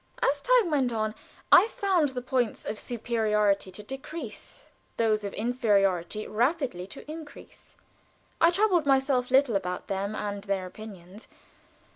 As time went on I found the points of superiority to decrease those of inferiority rapidly to increase. I troubled myself little about them and their opinions.